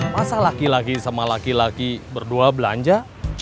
masa laki laki sama laki laki berdua belanja